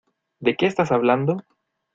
¿ De qué estás hablando?